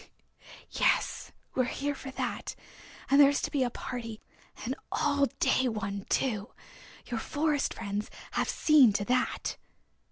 "Yes, we're here for that, and there is to be a party, an all day one too. Your Forest Friends have seen to that."